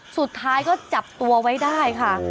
สุดท้ายก็จับตัวไว้ได้ค่ะ